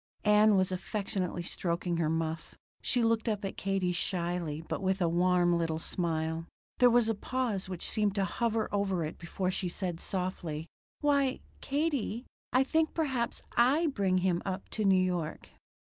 Ann was affectionately stroking her muff. She looked up at Katie shyly, but with a warm little smile. There was a pause which seemed to hover over it before she said softly: "Why, Katie, I think perhaps I bring him up to New York."